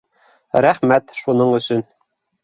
Р-рәхмәт шуның өсөн